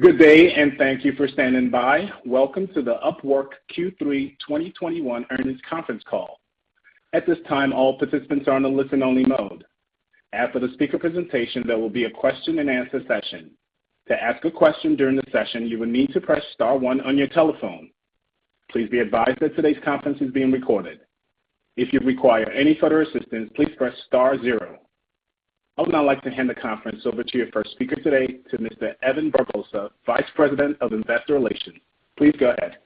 Good day, and thank you for standing by. Welcome to the Upwork Q3 2021 Earnings Conference Call. At this time, all participants are on a listen-only mode. After the speaker presentation, there will be a question-and-answer session. To ask a question during the session, you will need to press star one on your telephone. Please be advised that today's conference is being recorded. If you require any further assistance, please press star zero. I would now like to hand the conference over to your first speaker today, to Mr. Evan Barbosa, Vice President of Investor Relations. Please go ahead.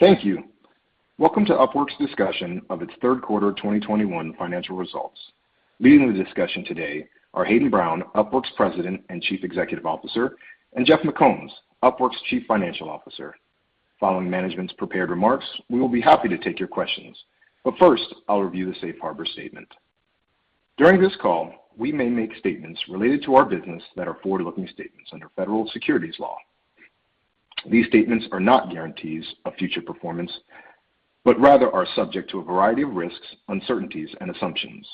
Thank you. Welcome to Upwork's discussion of its third quarter 2021 financial results. Leading the discussion today are Hayden Brown, Upwork's President and Chief Executive Officer, and Jeff McCombs, Upwork's Chief Financial Officer. Following management's prepared remarks, we will be happy to take your questions. First, I'll review the safe harbor statement. During this call, we may make statements related to our business that are forward-looking statements under federal securities law. These statements are not guarantees of future performance, but rather are subject to a variety of risks, uncertainties and assumptions.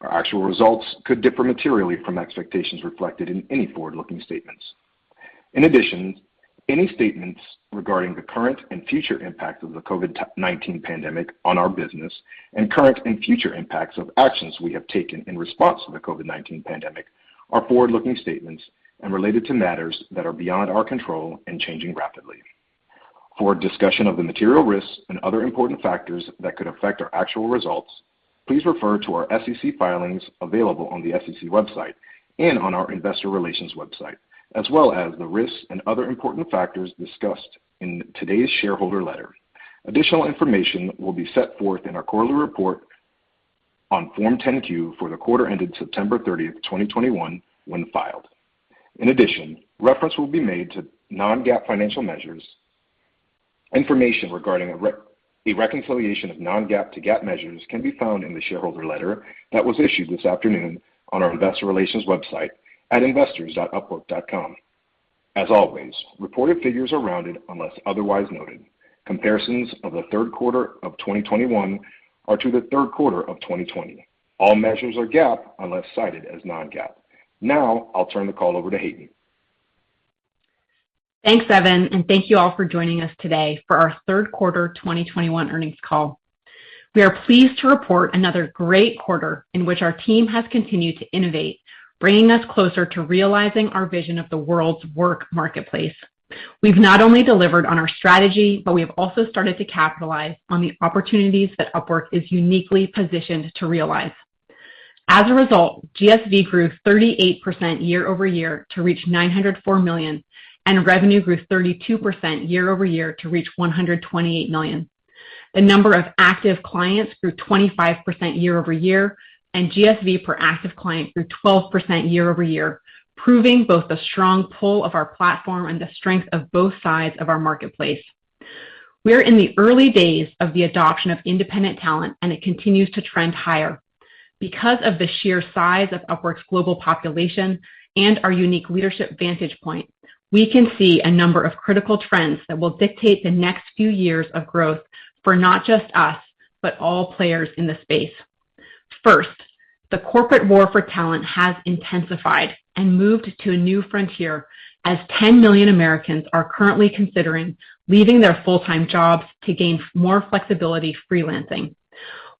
Our actual results could differ materially from expectations reflected in any forward-looking statements. In addition, any statements regarding the current and future impact of the COVID-19 pandemic on our business and current and future impacts of actions we have taken in response to the COVID-19 pandemic are forward-looking statements and related to matters that are beyond our control and changing rapidly. For a discussion of the material risks and other important factors that could affect our actual results, please refer to our SEC filings available on the SEC website and on our investor relations website, as well as the risks and other important factors discussed in today's shareholder letter. Additional information will be set forth in our quarterly report on Form 10-Q for the quarter ended September 30th, 2021 when filed. In addition, reference will be made to non-GAAP financial measures. Information regarding a reconciliation of non-GAAP to GAAP measures can be found in the shareholder letter that was issued this afternoon on our investor relations website at investors.upwork.com. As always, reported figures are rounded unless otherwise noted. Comparisons of the third quarter of 2021 are to the third quarter of 2020. All measures are GAAP unless cited as non-GAAP. Now I'll turn the call over to Hayden. Thanks, Evan, and thank you all for joining us today for our third quarter 2021 earnings call. We are pleased to report another great quarter in which our team has continued to innovate, bringing us closer to realizing our vision of the world's work marketplace. We've not only delivered on our strategy, but we have also started to capitalize on the opportunities that Upwork is uniquely positioned to realize. As a result, GSV grew 38% year-over-year to reach $904 million, and revenue grew 32% year-over-year to reach $128 million. The number of active clients grew 25% year-over-year, and GSV per active client grew 12% year-over-year, proving both the strong pull of our platform and the strength of both sides of our marketplace. We're in the early days of the adoption of independent talent, and it continues to trend higher. Because of the sheer size of Upwork's global population and our unique leadership vantage point, we can see a number of critical trends that will dictate the next few years of growth for not just us, but all players in the space. First, the corporate war for talent has intensified and moved to a new frontier as 10 million Americans are currently considering leaving their full-time jobs to gain more flexibility freelancing.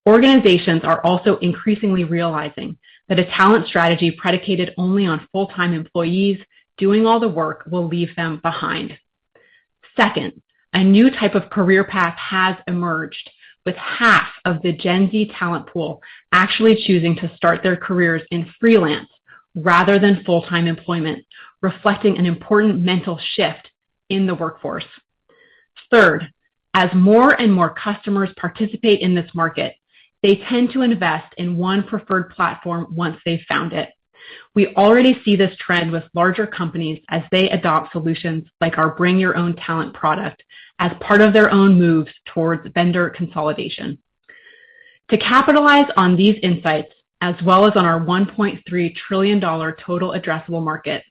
Organizations are also increasingly realizing that a talent strategy predicated only on full-time employees doing all the work will leave them behind. Second, a new type of career path has emerged, with half of the Gen Z talent pool actually choosing to start their careers in freelance rather than full-time employment, reflecting an important mental shift in the workforce. Third, as more and more customers participate in this market, they tend to invest in one preferred platform once they've found it. We already see this trend with larger companies as they adopt solutions like our Bring Your Own Talent product as part of their own moves towards vendor consolidation. To capitalize on these insights, as well as on our $1.3 trillion total addressable market,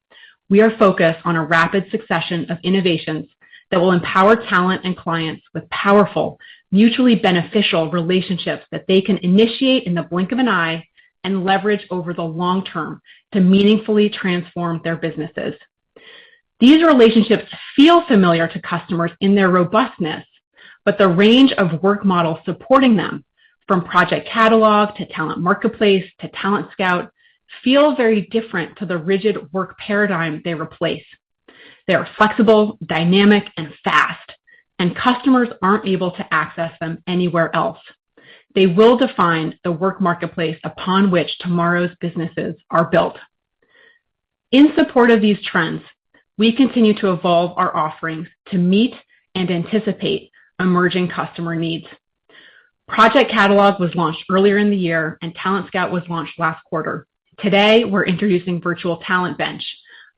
we are focused on a rapid succession of innovations that will empower talent and clients with powerful, mutually beneficial relationships that they can initiate in the blink of an eye and leverage over the long term to meaningfully transform their businesses. These relationships feel familiar to customers in their robustness, but the range of work models supporting them, from Project Catalog to Talent Marketplace to Talent Scout, feel very different to the rigid work paradigm they replace. They are flexible, dynamic and fast, and customers aren't able to access them anywhere else. They will define the work marketplace upon which tomorrow's businesses are built. In support of these trends, we continue to evolve our offerings to meet and anticipate emerging customer needs. Project Catalog was launched earlier in the year, and Talent Scout was launched last quarter. Today, we're introducing Virtual Talent Bench,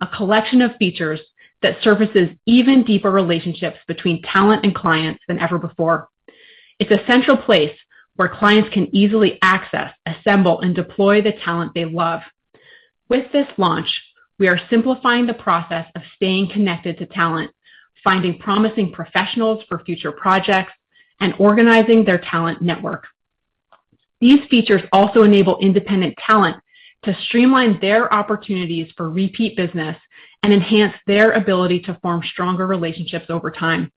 a collection of features that surfaces even deeper relationships between talent and clients than ever before. It's a central place where clients can easily access, assemble, and deploy the talent they love. With this launch, we are simplifying the process of staying connected to talent, finding promising professionals for future projects, and organizing their talent network. These features also enable independent talent to streamline their opportunities for repeat business and enhance their ability to form stronger relationships over time.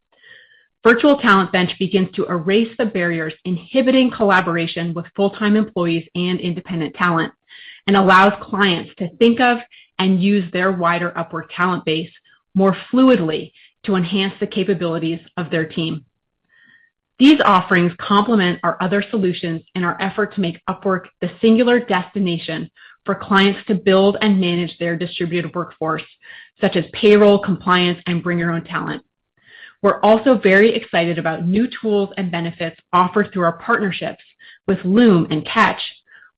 Virtual Talent Bench begins to erase the barriers inhibiting collaboration with full-time employees and independent talent, and allows clients to think of and use their wider Upwork talent base more fluidly to enhance the capabilities of their team. These offerings complement our other solutions in our effort to make Upwork the singular destination for clients to build and manage their distributed workforce, such as payroll, compliance, and Bring Your Own Talent. We're also very excited about new tools and benefits offered through our partnerships with Loom and Catch,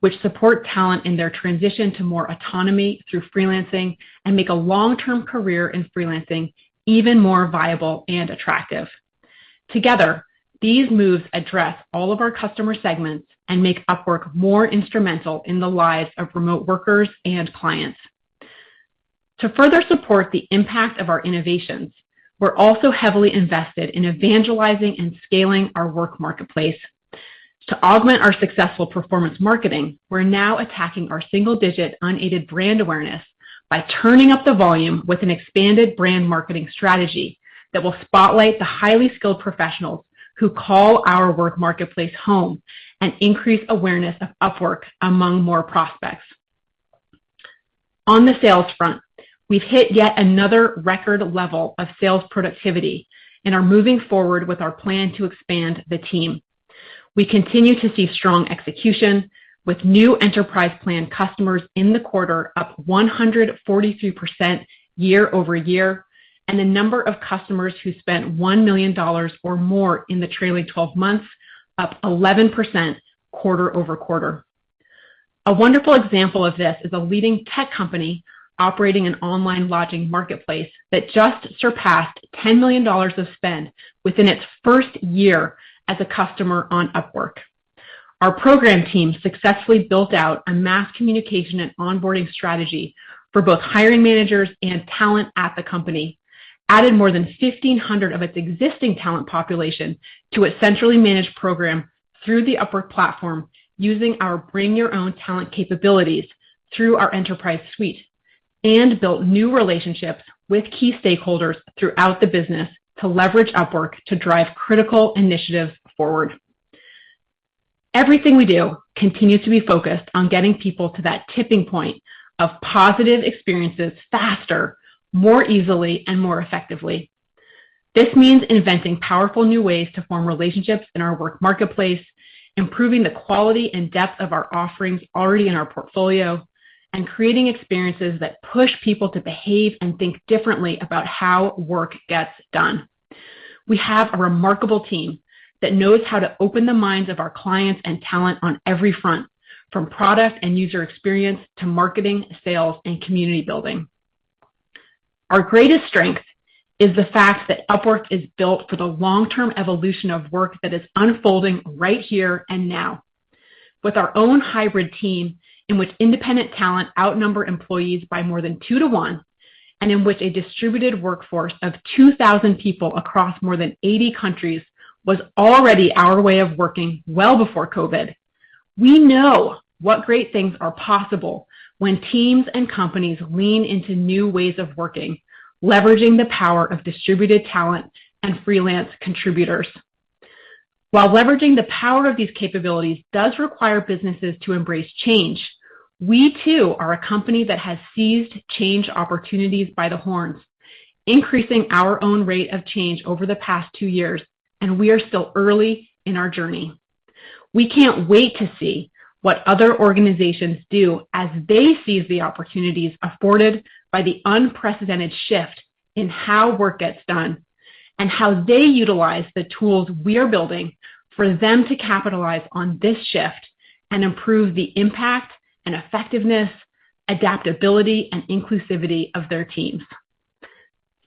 which support talent in their transition to more autonomy through freelancing and make a long-term career in freelancing even more viable and attractive. Together, these moves address all of our customer segments and make Upwork more instrumental in the lives of remote workers and clients. To further support the impact of our innovations, we're also heavily invested in evangelizing and scaling our work marketplace. To augment our successful performance marketing, we're now attacking our single digit unaided brand awareness by turning up the volume with an expanded brand marketing strategy that will spotlight the highly skilled professionals who call our work marketplace home and increase awareness of Upwork among more prospects. On the sales front, we've hit yet another record level of sales productivity and are moving forward with our plan to expand the team. We continue to see strong execution with new enterprise plan customers in the quarter up 143% year-over-year, and the number of customers who spent $1 million or more in the trailing twelve months up 11% quarter-over-quarter. A wonderful example of this is a leading tech company operating an online lodging marketplace that just surpassed $10 million of spend within its first year as a customer on Upwork. Our program team successfully built out a mass communication and onboarding strategy for both hiring managers and talent at the company, added more than 1,500 of its existing talent population to a centrally managed program through the Upwork platform using our Bring Your Own Talent capabilities through our Enterprise Suite, and built new relationships with key stakeholders throughout the business to leverage Upwork to drive critical initiatives forward. Everything we do continues to be focused on getting people to that tipping point of positive experiences faster, more easily, and more effectively. This means inventing powerful new ways to form relationships in our work marketplace, improving the quality and depth of our offerings already in our portfolio, and creating experiences that push people to behave and think differently about how work gets done. We have a remarkable team that knows how to open the minds of our clients and talent on every front, from product and user experience to marketing, sales, and community building. Our greatest strength is the fact that Upwork is built for the long-term evolution of work that is unfolding right here and now. With our own hybrid team in which independent talent outnumber employees by more than two to one, and in which a distributed workforce of 2,000 people across more than 80 countries was already our way of working well before COVID, we know what great things are possible when teams and companies lean into new ways of working, leveraging the power of distributed talent and freelance contributors. While leveraging the power of these capabilities does require businesses to embrace change, we too are a company that has seized change opportunities by the horns, increasing our own rate of change over the past two years, and we are still early in our journey. We can't wait to see what other organizations do as they seize the opportunities afforded by the unprecedented shift in how work gets done and how they utilize the tools we are building for them to capitalize on this shift and improve the impact and effectiveness, adaptability, and inclusivity of their teams.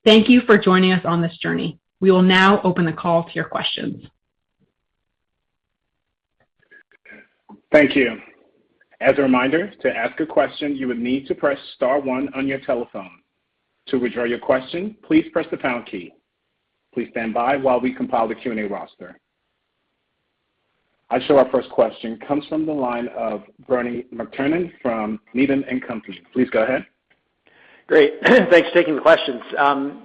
Thank you for joining us on this journey. We will now open the call to your questions. Thank you. As a reminder, to ask a question, you would need to press star one on your telephone. To withdraw your question, please press the pound key. Please stand by while we compile the Q&A roster. Our first question comes from the line of Bernie McTernan from Needham & Company. Please go ahead. Great thanks for taking the questions.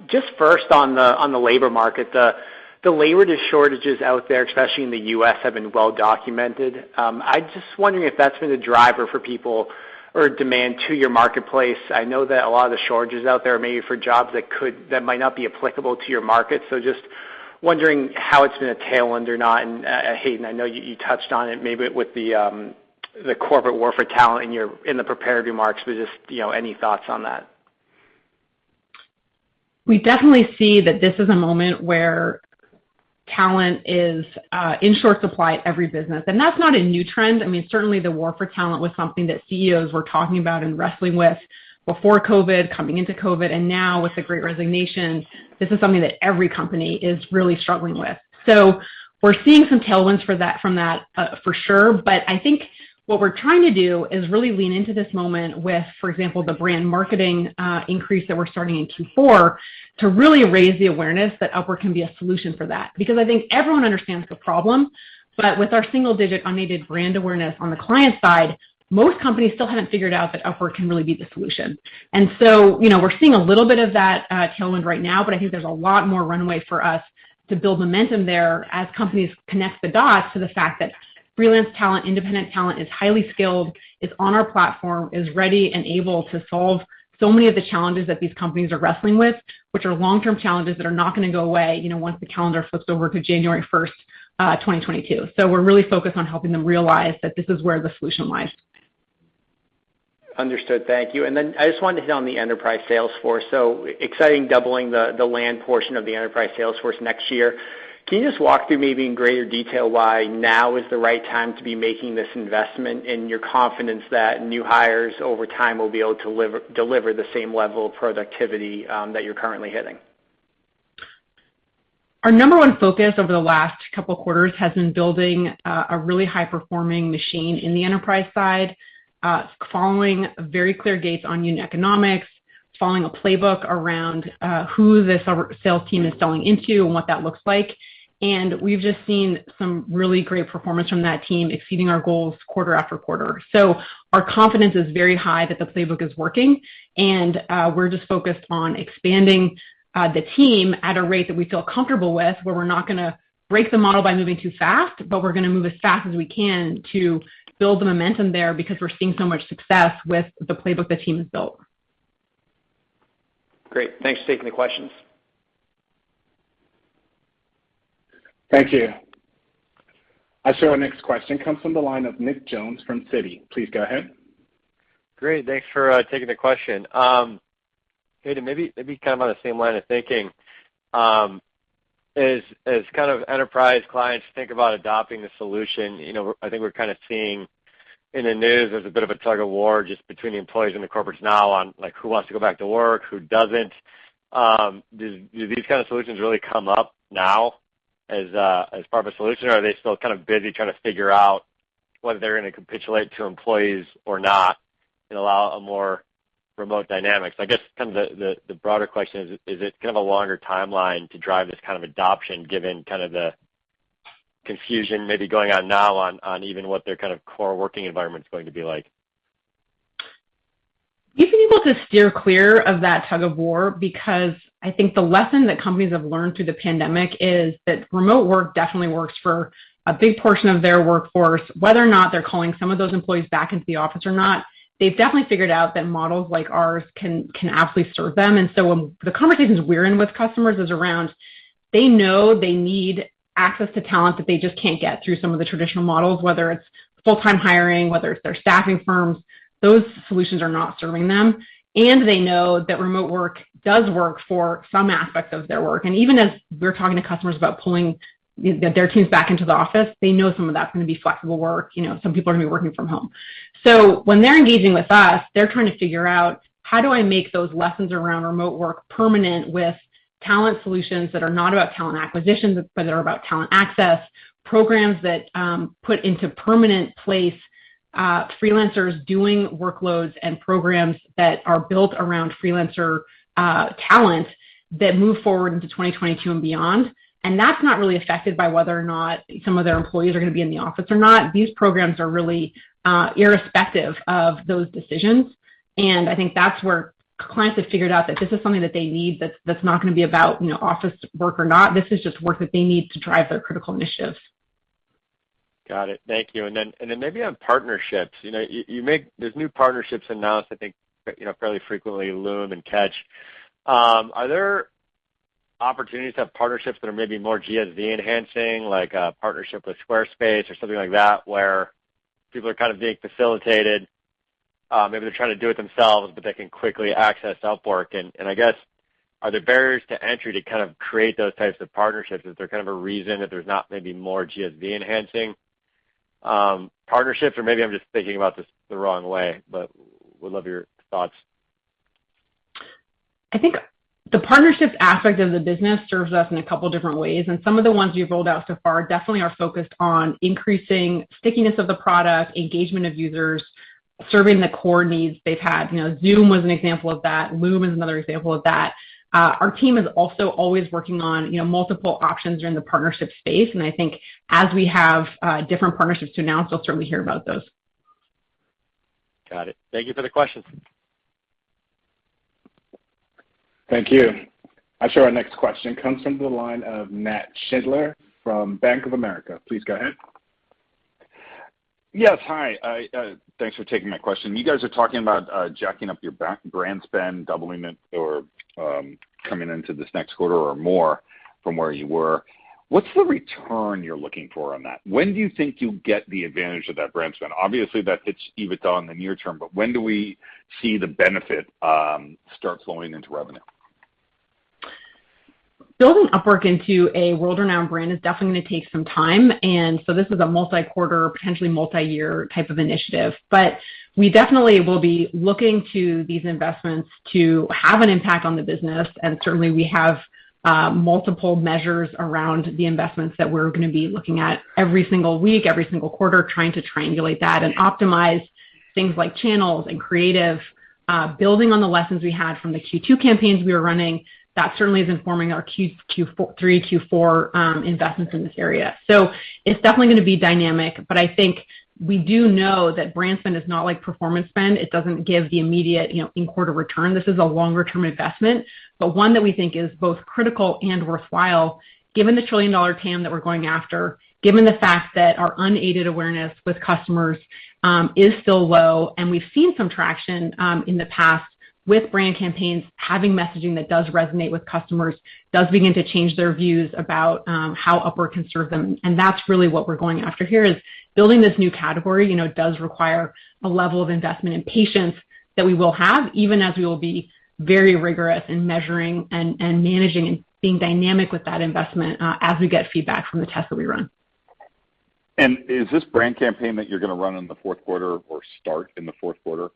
Just first on the labor market. The labor shortages out there, especially in the U.S., have been well documented. I'm just wondering if that's been a driver for people or demand to your marketplace. I know that a lot of the shortages out there may be for jobs that might not be applicable to your market. Just wondering how it's been a tailwind or not. Hayden, I know you touched on it maybe with the corporate war for talent in the prepared remarks, but you know, any thoughts on that? We definitely see that this is a moment where talent is in short supply at every business. That's not a new trend. I mean, certainly the war for talent was something that CEOs were talking about and wrestling with before COVID, coming into COVID, and now with the great resignation, this is something that every company is really struggling with. We're seeing some tailwinds for that from that, for sure. What we're trying to do is really lean into this moment with, for example, the brand marketing increase that we're starting in Q4 to really raise the awareness that Upwork can be a solution for that. Because I think everyone understands the problem, but with our single-digit unaided brand awareness on the client side, most companies still haven't figured out that Upwork can really be the solution. You know, we're seeing a little bit of that tailwind right now, but I think there's a lot more runway for us to build momentum there as companies connect the dots to the fact that freelance talent, independent talent is highly skilled, it's on our platform, is ready and able to solve so many of the challenges that these companies are wrestling with, which are long-term challenges that are not gonna go away, you know, once the calendar flips over to January 1st, 2022. We're really focused on helping them realize that this is where the solution lies. Understood. Thank you. I just wanted to hit on the enterprise sales force. Exciting doubling the land portion of the enterprise sales force next year. Can you just walk through maybe in greater detail why now is the right time to be making this investment, and your confidence that new hires over time will be able to deliver the same level of productivity that you're currently hitting? Our number one focus over the last couple of quarters has been building a really high-performing machine in the enterprise side, following very clear gates on unit economics, following a playbook around who this our sales team is selling into and what that looks like. We've just seen some really great performance from that team, exceeding our goals quarter after quarter. Our confidence is very high that the playbook is working, and we're just focused on expanding the team at a rate that we feel comfortable with, where we're not gonna break the model by moving too fast, but we're gonna move as fast as we can to build the momentum there because we're seeing so much success with the playbook the team has built. Great thanks for taking the questions. Thank you. Our next question comes from the line of Nick Jones from Citi. Please go ahead. Great thanks for taking the question. Katie, maybe kind of on the same line of thinking, as kind of enterprise clients think about adopting the solution, you know, I think we're kind of seeing in the news there's a bit of a tug-of-war just between the employees and the corporates now on, like, who wants to go back to work, who doesn't. Do these kind of solutions really come up now as part of a solution, or are they still kind of busy trying to figure out whether they're gonna capitulate to employees or not and allow a more remote dynamics? I guess kind of the broader question is it kind of a longer timeline to drive this kind of adoption given kind of the confusion maybe going on now on even what their kind of core working environment's going to be like? We've been able to steer clear of that tug-of-war because I think the lesson that companies have learned through the pandemic is that remote work definitely works for a big portion of their workforce. Whether or not they're calling some of those employees back into the office or not, they've definitely figured out that models like ours can absolutely serve them. The conversations we're in with customers is around, they know they need access to talent that they just can't get through some of the traditional models, whether it's full-time hiring, whether it's their staffing firms. Those solutions are not serving them. They know that remote work does work for some aspects of their work. Even as we're talking to customers about pulling their teams back into the office, they know some of that's gonna be flexible work. You know, some people are gonna be working from home. When they're engaging with us, they're trying to figure out, how do I make those lessons around remote work permanent with talent solutions that are not about talent acquisitions, but they're about talent access, programs that put into permanent place freelancers doing workloads and programs that are built around freelancer talent that move forward into 2022 and beyond. That's not really affected by whether or not some of their employees are gonna be in the office or not. These programs are really irrespective of those decisions. I think that's where clients have figured out that this is something that they need that's not gonna be about, you know, office work or not. This is just work that they need to drive their critical initiatives. Got it thank you. Then maybe on partnerships, you know, there's new partnerships announced, I think, you know, fairly frequently, Loom and Catch. Are there opportunities to have partnerships that are maybe more GSV enhancing, like a partnership with Squarespace or something like that, where people are kind of being facilitated, maybe they're trying to do it themselves, but they can quickly access Upwork? I guess, are there barriers to entry to kind of create those types of partnerships? Is there kind of a reason that there's not maybe more GSV enhancing partnerships? Or maybe I'm just thinking about this the wrong way, but would love your thoughts. I think the partnerships aspect of the business serves us in a couple different ways, and some of the ones we've rolled out so far definitely are focused on increasing stickiness of the product, engagement of users, serving the core needs they've had. You know, Zoom was an example of that. Loom is another example of that. Our team is also always working on, you know, multiple options in the partnership space. I think as we have, different partnerships to announce, you'll certainly hear about those. Got it thank you for the question. Thank you. Our next question comes from the line of Nat Schindler from Bank of America. Please go ahead. Yes. Hi. I, thanks for taking my question. You guys are talking about jacking up your brand spend, doubling it or coming into this next quarter or more from where you were. What's the return you're looking for on that? When do you think you'll get the advantage of that brand spend? Obviously, that hits EBITDA in the near term, but when do we see the benefit start flowing into revenue? Building Upwork into a world-renowned brand is definitely gonna take some time. This is a multi-quarter, potentially multi-year type of initiative. We definitely will be looking to these investments to have an impact on the business. Certainly we have multiple measures around the investments that we're gonna be looking at every single week, every single quarter, trying to triangulate that and optimize things like channels and creative, building on the lessons we had from the Q2 campaigns we were running, that certainly is informing our Q3, Q4 investments in this area. It's definitely gonna be dynamic, but I think we do know that brand spend is not like performance spend. It doesn't give the immediate, you know, in-quarter return. This is a longer-term investment, but one that we think is both critical and worthwhile given the trillion-dollar TAM that we're going after, given the fact that our unaided awareness with customers, is still low, and we've seen some traction, in the past with brand campaigns having messaging that does resonate with customers, does begin to change their views about, how Upwork can serve them, and that's really what we're going after here is building this new category, you know, does require a level of investment and patience that we will have, even as we will be very rigorous in measuring and managing and being dynamic with that investment, as we get feedback from the tests that we run. Is this brand campaign that you're gonna run in the fourth quarter or start in the fourth quarter,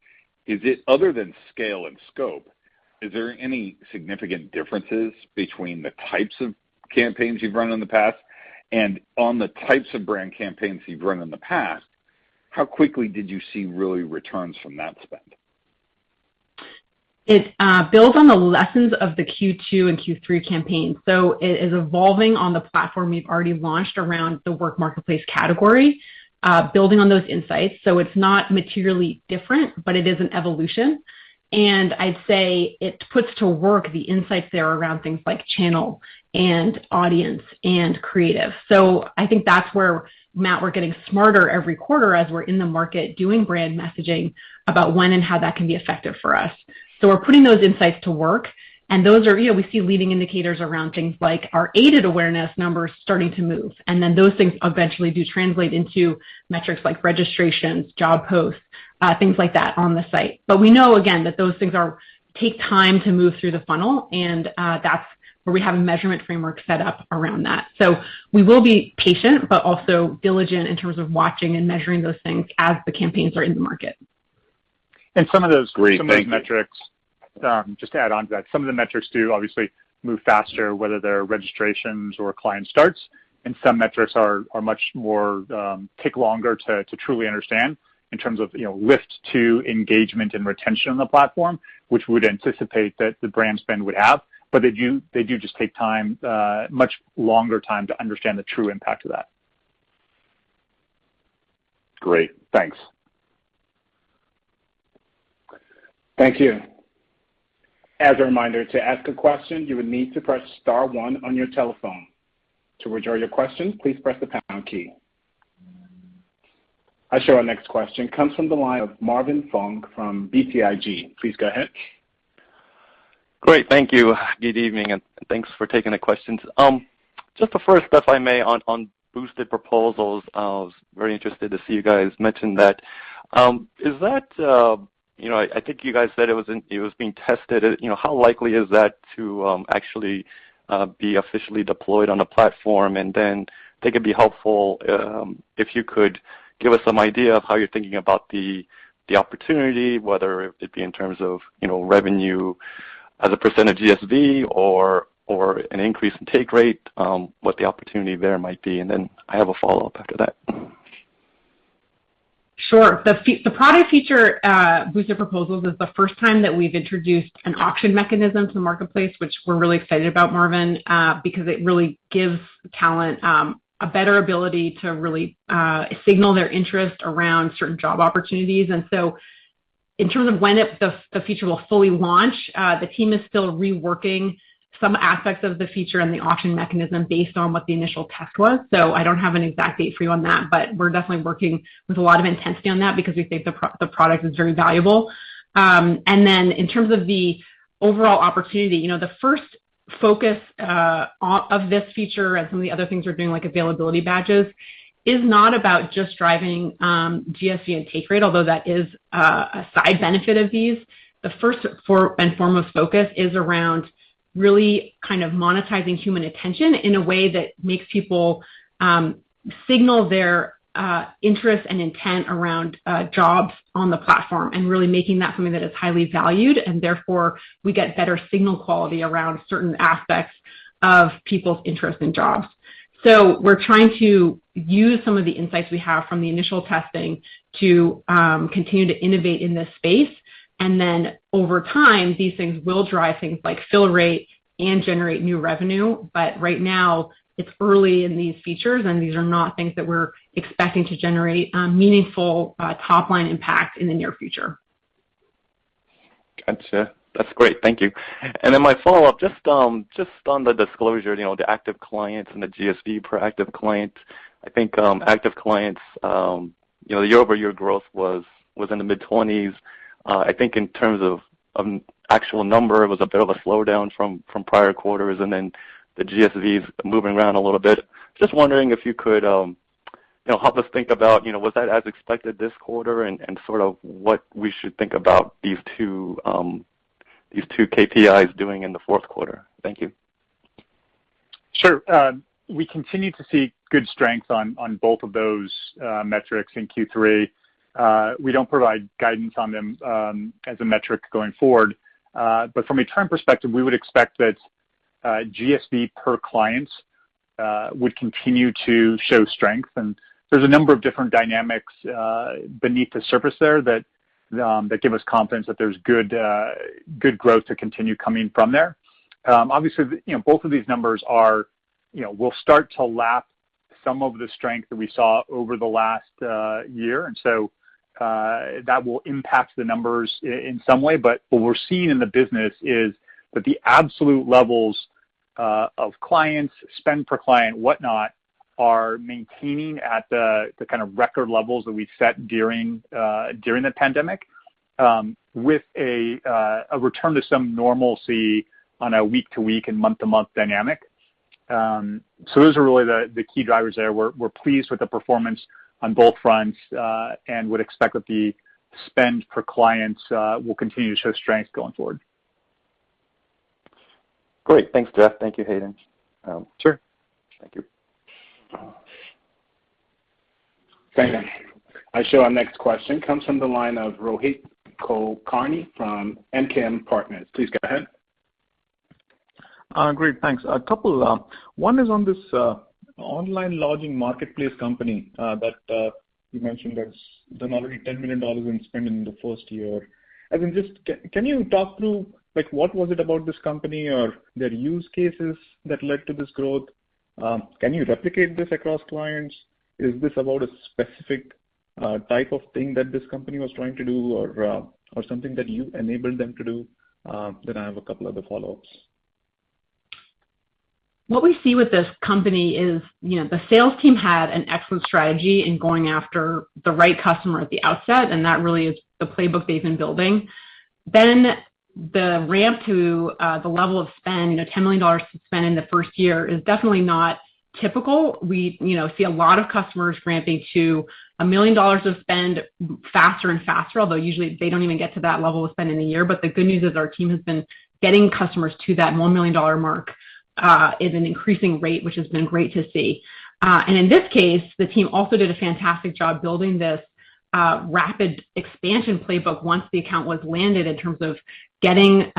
other than scale and scope, is there any significant differences between the types of campaigns you've run in the past? On the types of brand campaigns you've run in the past, how quickly did you see really returns from that spend? It builds on the lessons of the Q2 and Q3 campaigns. It is evolving on the platform we've already launched around the work marketplace category, building on those insights. It's not materially different, but it is an evolution. I'd say it puts to work the insights there around things like channel and audience and creative. I think that's where, Matt, we're getting smarter every quarter as we're in the market doing brand messaging about when and how that can be effective for us. We're putting those insights to work, and those are, you know, we see leading indicators around things like our aided awareness numbers starting to move. Then those things eventually do translate into metrics like registrations, job posts, things like that on the site. We know, again, that those things take time to move through the funnel, and that's where we have a measurement framework set up around that. We will be patient but also diligent in terms of watching and measuring those things as the campaigns are in the market. Great thank you. Some of those metrics just to add on to that, some of the metrics do obviously move faster, whether they're registrations or client starts, and some metrics are much more take longer to truly understand in terms of, you know, lift to engagement and retention on the platform, which we'd anticipate that the brand spend would have. They do just take time, much longer time to understand the true impact of that. Great thanks. Thank you. As a reminder, to ask a question, you would need to press star one on your telephone. To withdraw your question, please press the pound key. Our next question comes from the line of Marvin Fong from BTIG. Please go ahead. Great thank you. Good evening, and thanks for taking the questions. Just the first, if I may, on Boosted Proposals, I was very interested to see you guys mention that. Is that... You know, I think you guys said it was being tested. You know, how likely is that to actually be officially deployed on a platform? And then I think it'd be helpful if you could give us some idea of how you're thinking about the opportunity, whether it be in terms of, you know, revenue as a percent of GSV or an increase in take rate, what the opportunity there might be. And then I have a follow-up after that. Sure. The product feature, Boosted Proposals, is the first time that we've introduced an auction mechanism to the marketplace, which we're really excited about, Marvin, because it really gives talent a better ability to really signal their interest around certain job opportunities. In terms of when the feature will fully launch, the team is still reworking some aspects of the feature and the auction mechanism based on what the initial test was. I don't have an exact date for you on that, but we're definitely working with a lot of intensity on that because we think the product is very valuable. In terms of the overall opportunity, you know, the first focus of this feature and some of the other things we're doing, like Availability Badge, is not about just driving GSV and take rate, although that is a side benefit of these. The first and foremost form of focus is around really kind of monetizing human attention in a way that makes people signal their interest and intent around jobs on the platform and really making that something that is highly valued, and therefore we get better signal quality around certain aspects of people's interest in jobs. We're trying to use some of the insights we have from the initial testing to continue to innovate in this space. Over time, these things will drive things like fill rate and generate new revenue. Right now, it's early in these features, and these are not things that we're expecting to generate meaningful top-line impact in the near future. Gotcha. That's great. Thank you. My follow-up, just on the disclosure, you know, the active clients and the GSV per active client. I think active clients you know the year-over-year growth was in the mid-20s%. I think in terms of actual number, it was a bit of a slowdown from prior quarters and then the GSVs moving around a little bit. Just wondering if you could, you know, help us think about, you know, was that as expected this quarter and sort of what we should think about these two KPIs doing in the fourth quarter. Thank you. Sure. We continue to see good strength on both of those metrics in Q3. We don't provide guidance on them as a metric going forward. But from a trend perspective, we would expect that GSV per client would continue to show strength. There's a number of different dynamics beneath the surface there that give us confidence that there's good growth to continue coming from there. Obviously, you know, both of these numbers are, you know, will start to lap some of the strength that we saw over the last year. That will impact the numbers in some way. What we're seeing in the business is that the absolute levels of client spend per client, whatnot, are maintaining at the kind of record levels that we set during the pandemic, with a return to some normalcy on a week-to-week and month-to-month dynamic. Those are really the key drivers there. We're pleased with the performance on both fronts, and would expect that the spend per client will continue to show strength going forward. Great. Thanks, Jeff. Thank you, Hayden. Sure. Thank you. Thank you. Our next question comes from the line of Rohit Kulkarni from MKM Partners. Please go ahead. Great thanks. A couple, one is on this online lodging marketplace company that you mentioned that's done already $10 million in spending in the first year. I think just can you talk through, like, what was it about this company or their use cases that led to this growth? Can you replicate this across clients? Is this about a specific type of thing that this company was trying to do or something that you enabled them to do? I have a couple other follow-ups. What we see with this company is, you know, the sales team had an excellent strategy in going after the right customer at the outset, and that really is the playbook they've been building. The ramp to the level of spend, you know, $10 million to spend in the first year is definitely not typical. We, you know, see a lot of customers ramping to $1 million of spend faster and faster, although usually they don't even get to that level of spend in a year. The good news is our team has been getting customers to that $1 million mark at an increasing rate, which has been great to see. In this case, the team also did a fantastic job building this rapid expansion playbook once the account was landed in terms of getting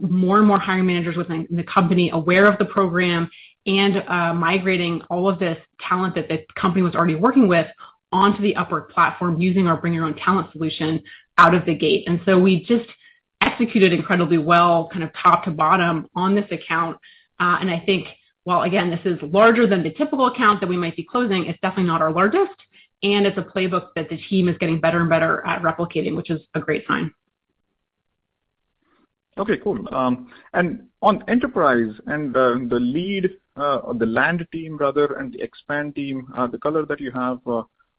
more and more hiring managers within the company aware of the program and migrating all of this talent that the company was already working with onto the Upwork platform using our Bring Your Own Talent solution out of the gate. We just executed incredibly well, kind of top to bottom on this account. I think while again, this is larger than the typical account that we might be closing, it's definitely not our largest, and it's a playbook that the team is getting better and better at replicating, which is a great sign. Okay, cool. On Enterprise and the land team rather, and the expand team, the color that you have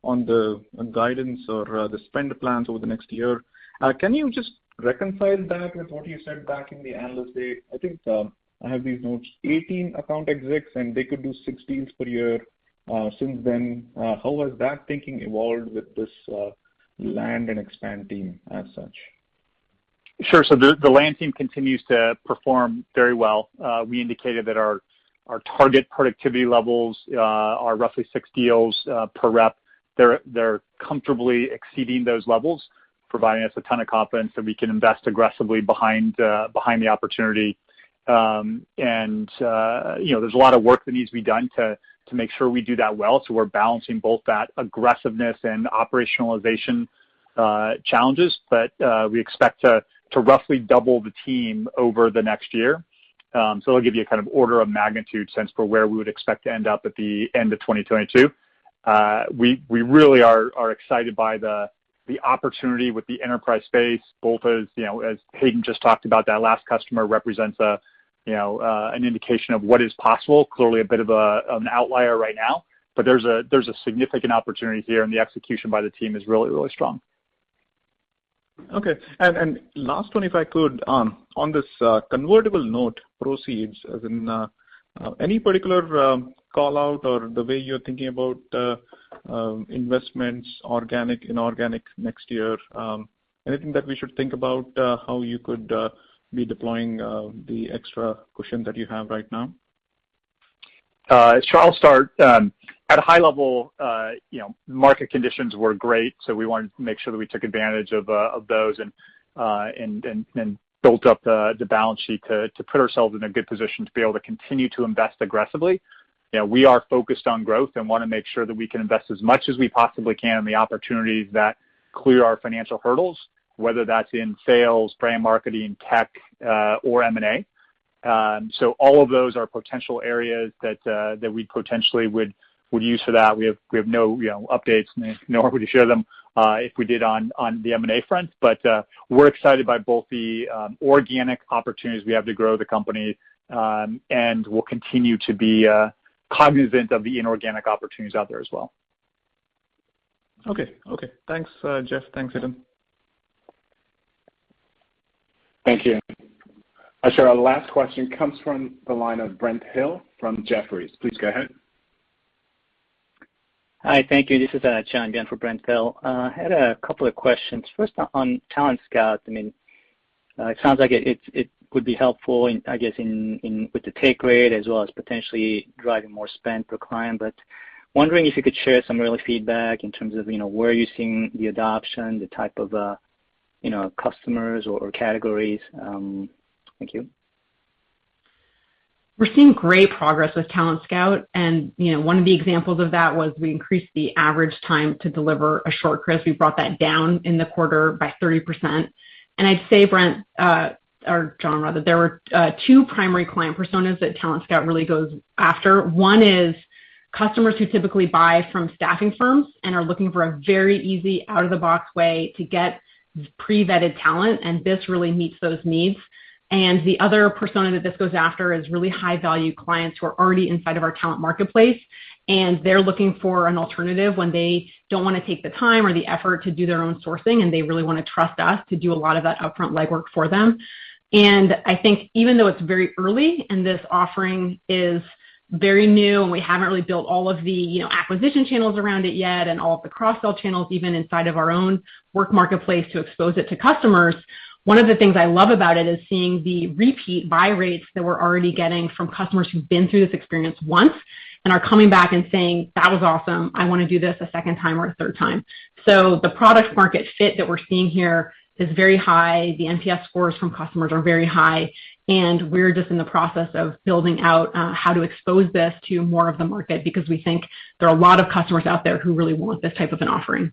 on the guidance or the spend plans over the next year, can you just reconcile that with what you said back in the Analyst Day? I think I have these notes, 18 account execs, and they could do 6 deals per year. Since then, how has that thinking evolved with this land and expand team as such? Sure. The land team continues to perform very well. We indicated that our target productivity levels are roughly six deals per rep. They're comfortably exceeding those levels, providing us a ton of confidence that we can invest aggressively behind the opportunity. You know, there's a lot of work that needs to be done to make sure we do that well. We're balancing both that aggressiveness and operationalization challenges. We expect to roughly double the team over the next year. It'll give you a kind of order of magnitude sense for where we would expect to end up at the end of 2022. We really are excited by the opportunity with the enterprise space, both as you know, as Hayden just talked about. That last customer represents, you know, an indication of what is possible. Clearly a bit of an outlier right now, but there's a significant opportunity here, and the execution by the team is really strong. Okay. Last one, if I could, on this convertible note proceeds, as in, any particular call-out or the way you're thinking about investments, organic, inorganic next year, anything that we should think about how you could be deploying the extra cushion that you have right now? At a high level, you know, market conditions were great, so we wanted to make sure that we took advantage of those and built up the balance sheet to put ourselves in a good position to be able to continue to invest aggressively. You know, we are focused on growth and wanna make sure that we can invest as much as we possibly can in the opportunities that clear our financial hurdles, whether that's in sales, brand marketing, tech, or M&A. All of those are potential areas that we potentially would use for that. We have no updates, you know, no hurry to share them if we did on the M&A front. We're excited by both the organic opportunities we have to grow the company, and we'll continue to be cognizant of the inorganic opportunities out there as well. Okay. Thanks, Jeff. Thanks, Hayden. Thank you. Our last question comes from the line of Brent Thill from Jefferies. Please go ahead. Hi thank you. This is John Byun for Brent Thill. I had a couple of questions. First on Talent Scout. I mean, it sounds like it would be helpful in, I guess, with the take rate as well as potentially driving more spend per client. Wondering if you could share some early feedback in terms of, you know, where you're seeing the adoption, the type of you know, customers or categories. Thank you. We're seeing great progress with Talent Scout. You know, one of the examples of that was we decreased the average time to deliver a shortlist. We brought that down in the quarter by 30%. I'd say, Brent, or John rather, there were two primary client personas that Talent Scout really goes after. One is customers who typically buy from staffing firms and are looking for a very easy out-of-the-box way to get pre-vetted talent, and this really meets those needs. The other persona that this goes after is really high value clients who are already inside of our talent marketplace, and they're looking for an alternative when they don't wanna take the time or the effort to do their own sourcing, and they really wanna trust us to do a lot of that upfront legwork for them. I think even though it's very early, and this offering is very new, and we haven't really built all of the, you know, acquisition channels around it yet and all of the cross-sell channels even inside of our own work marketplace to expose it to customers. One of the things I love about it is seeing the repeat buy rates that we're already getting from customers who've been through this experience once and are coming back and saying, "That was awesome. I wanna do this a second time or a third time." The product market fit that we're seeing here is very high. The NPS scores from customers are very high, and we're just in the process of building out how to expose this to more of the market because we think there are a lot of customers out there who really want this type of an offering.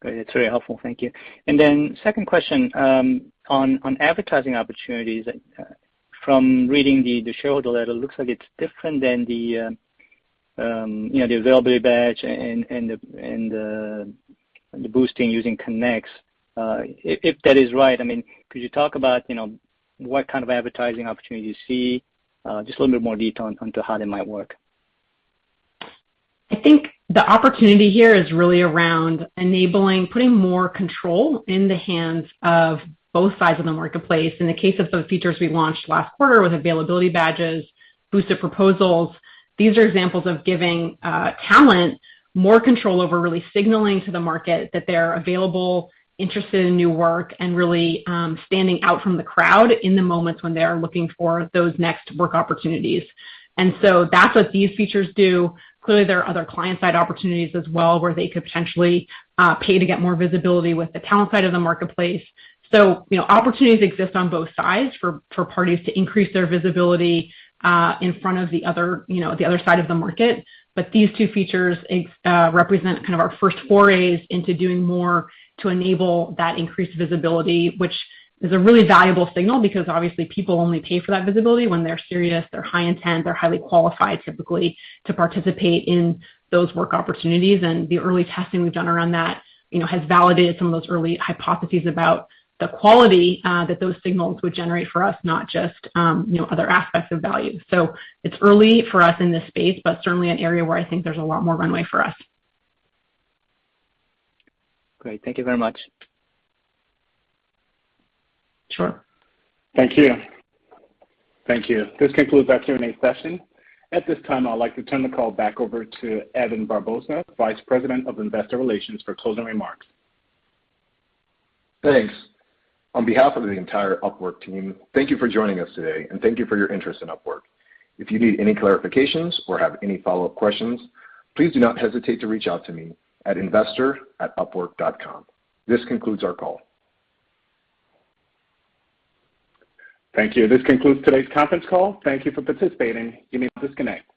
Great. That's very helpful. Thank you. Second question on advertising opportunities. From reading the shareholder letter, it looks like it's different than the you know the Availability Badge and the boosting using Connects. If that is right, I mean, could you talk about you know what kind of advertising opportunities you see just a little bit more detail into how they might work. I think the opportunity here is really around enabling, putting more control in the hands of both sides of the marketplace. In the case of those features we launched last quarter with Availability Badge, Boosted Proposals. These are examples of giving talent more control over really signaling to the market that they're available, interested in new work and really standing out from the crowd in the moments when they are looking for those next work opportunities. That's what these features do. Clearly, there are other client-side opportunities as well, where they could potentially pay to get more visibility with the talent side of the marketplace. You know, opportunities exist on both sides for parties to increase their visibility in front of the other, you know, the other side of the market. These two features represent kind of our first forays into doing more to enable that increased visibility, which is a really valuable signal because obviously people only pay for that visibility when they're serious, they're high intent, they're highly qualified typically to participate in those work opportunities. The early testing we've done around that, you know, has validated some of those early hypotheses about the quality that those signals would generate for us, not just, you know, other aspects of value. It's early for us in this space, but certainly an area where I think there's a lot more runway for us. Great. Thank you very much. Sure. Thank you. Thank you. This concludes our Q&A session. At this time, I'd like to turn the call back over to Evan Barbosa, Vice President of Investor Relations for closing remarks. Thanks. On behalf of the entire Upwork team, thank you for joining us today, and thank you for your interest in Upwork. If you need any clarifications or have any follow-up questions, please do not hesitate to reach out to me at investor at upwork.com. This concludes our call. Thank you. This concludes today's conference call. Thank you for participating. You may disconnect.